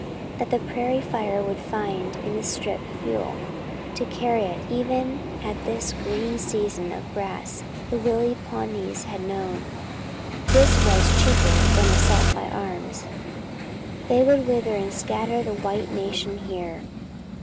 That the prairie fire would find in this strip fuel to carry it even at this green season of the grass the wily Pawnees had known. This was cheaper than assault by arms. They would wither and scatter the white nation here!